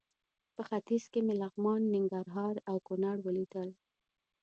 په ختیځ کې مې لغمان، ننګرهار او کونړ ولیدل.